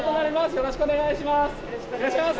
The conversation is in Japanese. よろしくお願いします。